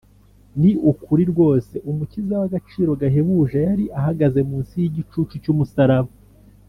ni ukuri rwose umukiza w’agaciro gahebuje yari ahagaze munsi y’igicucu cy’umusaraba